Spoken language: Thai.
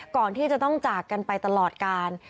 ก่อนที่จะต้องจากกันไปตลอดกาล